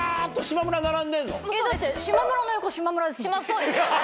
そうです